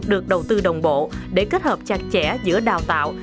được đầu tư đồng bộ để kết hợp chặt chẽ giữa đào tạo